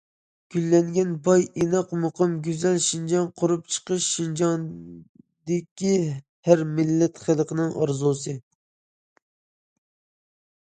گۈللەنگەن، باي، ئىناق، مۇقىم، گۈزەل شىنجاڭ قۇرۇپ چىقىش شىنجاڭدىكى ھەر مىللەت خەلقنىڭ ئارزۇسى.